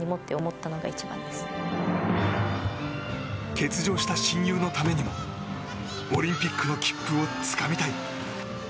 欠場した親友のためにもオリンピックの切符をつかみたい。